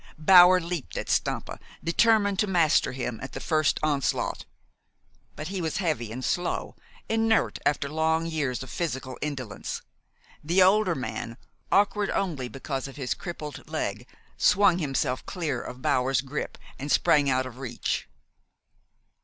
Bower leaped at Stampa, determined to master him at the first onslaught. But he was heavy and slow, inert after long years of physical indolence. The older man, awkward only because of his crippled leg, swung himself clear of Bower's grip, and sprang out of reach.